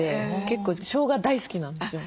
結構しょうが大好きなんですよ。